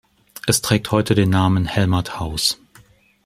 Es trägt heute den Namen "Helmert-Haus".